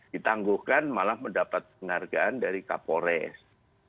ditangguhkan malah mendapat penghargaan dari kapolres